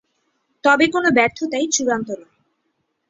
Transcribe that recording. তবে কোনো ব্যর্থতাই চূড়ান্ত নয়।